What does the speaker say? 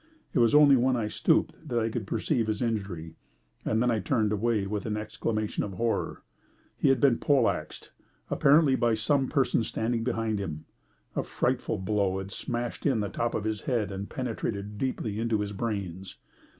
It was only when I stooped that I could perceive his injury, and then I turned away with an exclamation of horror. He had been pole axed; apparently by some person standing behind him. A frightful blow had smashed in the top of his head and penetrated deeply into his brains.